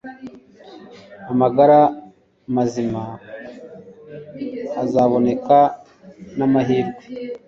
amagara mazima hazaboneka namahirwe